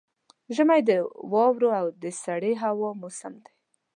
ژمی د واورو او سړې هوا موسم دی.